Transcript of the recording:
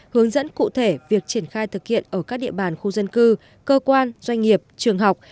hướng dẫn cụ thể việc triển khai thực hiện ở các địa bàn khu dân cư cơ quan doanh nghiệp trường học